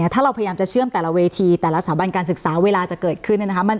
ถ้าเราพยายามจะเชื่อมแต่ละเวทีแต่ละสถาบันการศึกษาเวลาจะเกิดขึ้นเนี่ยนะคะ